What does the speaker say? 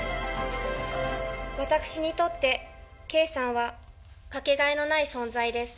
私にとって圭さんは掛けがえのない存在です。